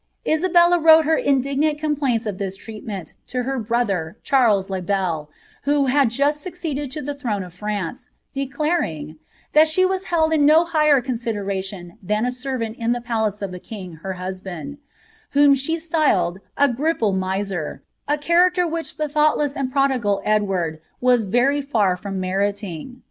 * Isabella wrote her indignant complaints of tliis treatment to her bro ther, Charles le Bel, who had just succeeded to the throne of France^ declaring, *^ that she was held in no higher consideration than a servant in the palace of the king her husband,^' whom she styled ^ a grippU miser,'*a character which the thoughtless and prodigal Edward was very liur from meriting.